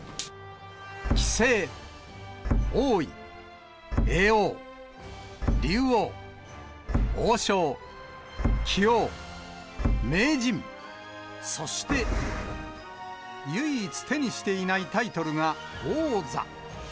棋聖、王位、叡王、竜王、王将、棋王、名人、そして唯一手にしていないタイトルが王座。